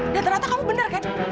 dan ternyata kamu bener kan